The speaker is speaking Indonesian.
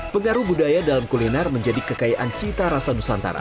pengaruh budaya dalam kuliner menjadi kekayaan cita rasa nusantara